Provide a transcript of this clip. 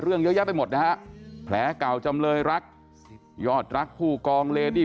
เยอะแยะไปหมดนะฮะแผลเก่าจำเลยรักยอดรักผู้กองเลดี้